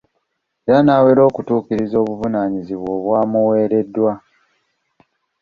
Era n'awera okutuukiriza obuvunaanyizibwa obwamuwereddwa.